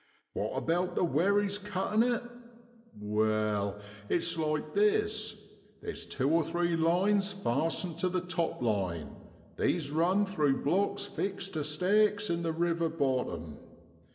What about the wherries cuttin' it ? Wai, it's like this, there's two or three lines fastened to the top line; these run through blocks fixed to stakes in the river bottom.